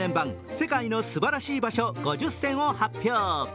世界の素晴らしい場所５０選を発表。